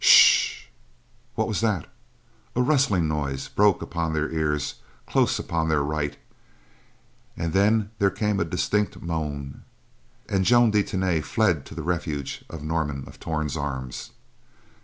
"Sh! What was that?" as a rustling noise broke upon their ears close upon their right; and then there came a distinct moan, and Joan de Tany fled to the refuge of Norman of Torn's arms.